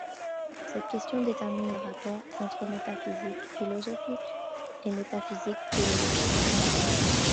Cette question détermine le rapport ente métaphysique philosophique et métaphysique théologique.